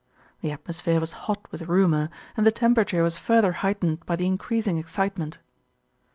The atmosphere was hot with rumour, and the tem perature was further heightened by the increasing ex citement.